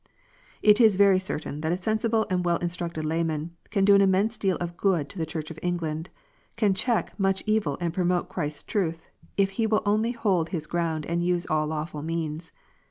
It is very certain that a sensible and well instructed layman can do an immense deal of good to the Church of England, can check much evil and promote Christ s truth, if he will only hold his ground and use all lawful means.